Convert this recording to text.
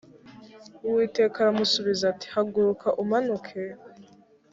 uwiteka aramusubiza ati haguruka umanuke